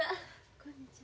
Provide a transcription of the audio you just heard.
こんにちは。